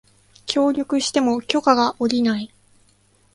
協力しても許可が降りない